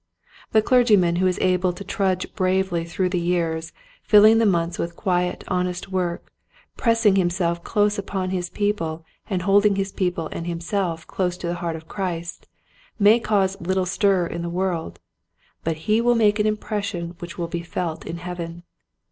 The clergyman who is able to trudge bravely through the years, filling the months with quiet honest work, press ing himself close upon his people and holding his people and himself close to the heart of Christ may cause little stir in the world but he will make an impression which will be felt in heaven.